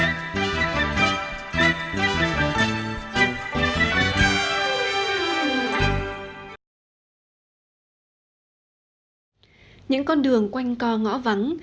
những con đường quanh co ngõ vắng